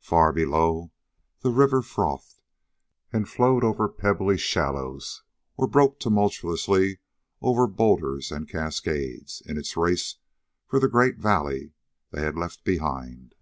Far below, the river frothed and flowed over pebbly shallows, or broke tumultuously over boulders and cascades, in its race for the great valley they had left behind.